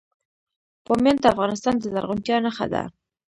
بامیان د افغانستان د زرغونتیا نښه ده.